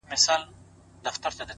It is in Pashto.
لكه ملا _